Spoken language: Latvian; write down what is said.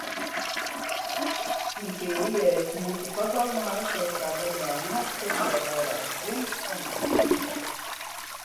Un pie ieejas mūsu pagalmā esošā vegānu ēstuve jau vairākas dienas kā nestrādā.